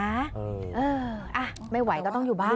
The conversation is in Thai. เอออ่ะไม่ไหวก็ต้องอยู่บ้าน